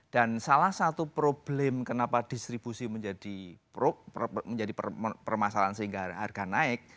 dan salah satu problem kenapa distribusi menjadi permasalahan sehingga harga naik